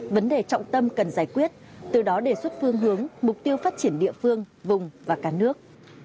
vấn đề trọng tâm cần giải quyết từ đó đề xuất phương hướng mục tiêu phát triển địa phương vùng và cả nước